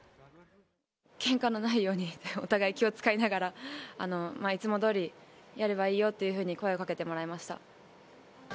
けんかのないように、お互い気を遣いながら、いつもどおりやればいいよというふうに、声をかけてもらいました。